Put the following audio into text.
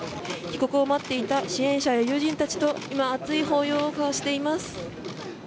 被告を待っていた支援者や友人たちと今、熱い抱擁を交わしています。